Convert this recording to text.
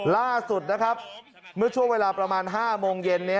ล่าสุดนะครับเมื่อช่วงเวลาประมาณ๕โมงเย็น